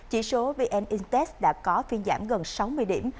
chỉ số vnintex đã có phiên giảm gần sáu mươi điểm